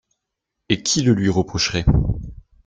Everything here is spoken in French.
Et qui le lui reprocherait?